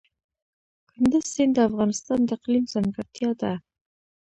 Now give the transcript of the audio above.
کندز سیند د افغانستان د اقلیم ځانګړتیا ده.